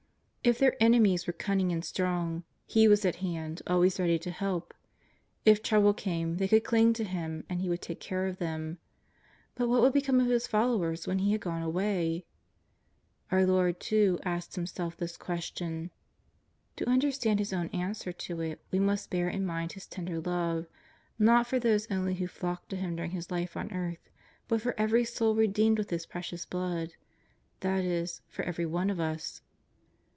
If their enemies were 190 JESUS OF NAZAEETH. cunning and strong, He was at hand, always ready to help. If trouble came they could cling to Him, and He would take care of them. But what would become of His followers when He had gone away ? Our Lord, too, asked Himself this question. To understand His own answer to it ^ve must bear in mind His tender love, not for those only who flocked to Him during His Life on earth, but for every soul redeemed with His Precious Blood; that is, for every one of us.